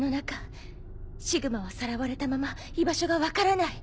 シグマはさらわれたまま居場所が分からない。